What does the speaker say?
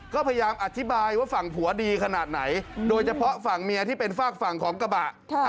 ก็พยายามอธิบายว่าฝั่งผัวดีขนาดไหนโดยเฉพาะฝั่งเมียที่เป็นฝากฝั่งของกระบะ